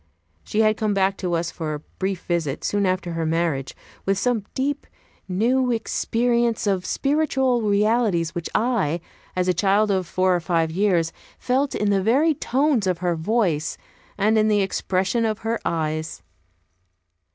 She had come back to us for a brief visit, soon after her marriage, with some deep, new experience of spiritual realities which I, a child of four or five years, felt in the very tones of her voice, and in the expression of her eyes.